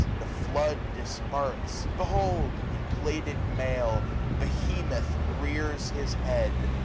The flood disparts : behold ! in plaited mail. Behemoth rears his head.